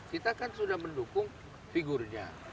kita kan sudah mendukung figurnya